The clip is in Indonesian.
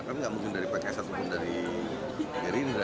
kami nggak mungkin dari pks ataupun dari gerindra